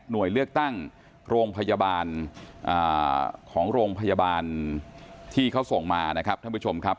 โดยเลือกตั้งโรงพยาบาลของโรงพยาบาลที่เขาส่งมานะครับท่านผู้ชมครับ